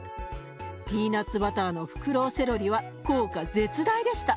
ピーナツバターのふくろうセロリは効果絶大でした。